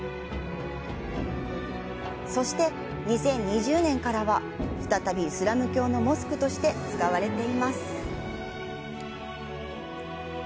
そして、２０２０年からは再びイスラム教のモスクとして使われています。